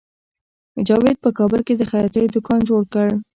جاوید په کابل کې د خیاطۍ دکان جوړ کړ